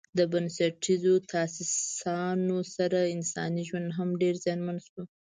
د بنسټیزو تاسیساتو سره انساني ژوند هم ډېر زیانمن شو.